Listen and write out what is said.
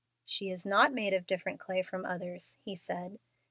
"She is not made of different clay from others," he said.